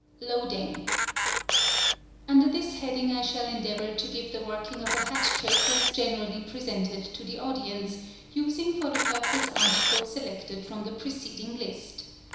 Loading.—Under this heading I shall endeavor to give the working of a hat trick as actually presented to an audience, using for the purpose articles selected from the preceding list.